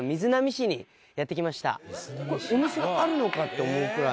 ここにお店があるのか？って思うぐらい。